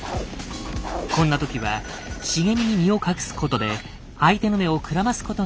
こんな時は茂みに身を隠すことで相手の目をくらますことができる。